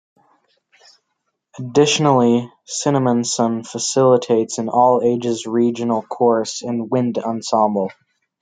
Additionally, Cinnaminson facilitates an all-ages regional chorus and wind ensemble.